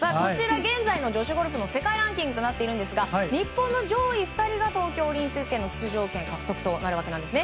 現在の女子ゴルフの世界ランキングですが日本の上位２人が東京オリンピックへの出場権を獲得となるわけなんですね。